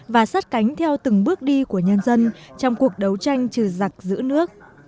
và sát cánh theo từng bước đi của nhân dân trong cuộc đấu tranh trừ giặc giữ nước